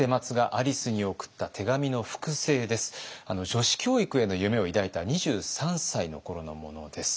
女子教育への夢を抱いた２３歳の頃のものです。